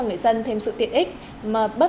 người dân thêm sự tiện ích mà bớt